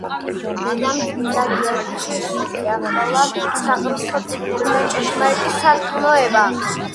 დედამ წმინდა გიორგის შეასწავლა საღმრთო წიგნები და ჭეშმარიტი სარწმუნოება.